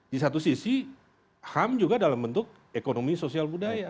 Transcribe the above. di satu sisi ham juga dalam bentuk ekonomi sosial budaya